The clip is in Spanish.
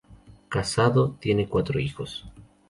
Casado, tiene cuatro hijos.